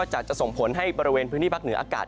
นอกจากจะส่งผลให้ประเวนพื้นที่ปลา้กเหนืออากาศ